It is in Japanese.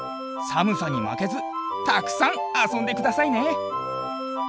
さむさにまけずたくさんあそんでくださいね。